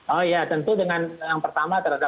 oh ya tentu dengan yang pertama